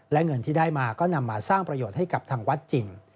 และเงินที่ได้มาก็นำมาสร้างประโยชน์ให้กับทางวัดจริง